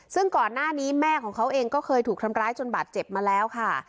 ซึ่งก่อนหน้านี้แม่ของเขาเองก็เคยถูกทำร้ายจนบาดเจ็บมาแล้วค่ะ